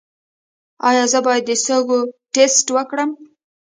ایا زه باید د سږو ټسټ وکړم؟